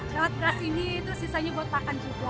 dapat beras ini terus sisanya buat makan juga